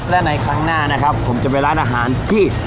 และในครั้งหน้านะครับผมจะไปร้านอาหารที่